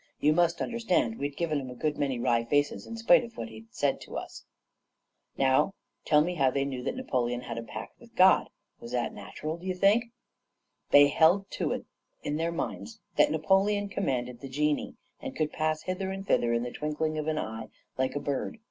You must understand that we'd given 'em a good many wry faces, in spite of what he had said to us. "Now, tell me how they knew that Napoleon had a pact with God? Was that natural, d'ye think? "They held to it in their minds that Napoleon commanded the genii, and could pass hither and thither in the twinkling of an eye, like a bird.